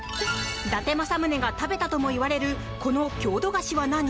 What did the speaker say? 伊達政宗が食べたともいわれるこの郷土菓子は何？